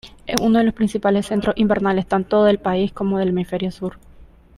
Es uno de los principales centros invernales tanto del país como del hemisferio sur.